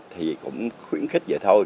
thì cũng khuyến khích vậy thôi